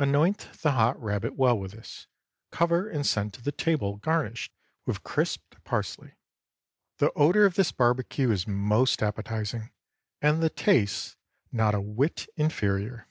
Anoint the hot rabbit well with this, cover and send to table garnished with crisped parsley. The odor of this barbecue is most appetizing, and the taste not a whit inferior.